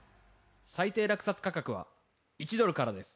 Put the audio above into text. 最低落札価格は１ドルからです・